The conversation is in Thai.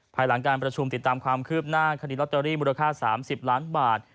ภายหลังการประชุมติดตามความคืบหน้าคดีลอตเตอรี่มูลค่า๓๐ล้านบาท